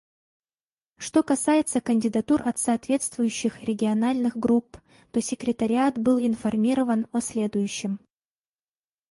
Что касается кандидатур от соответствующих региональных групп, то Секретариат был информирован о следующем.